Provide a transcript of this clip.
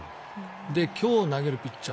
今日投げるピッチャー